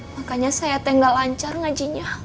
makanya saya tinggal lancar ngajinya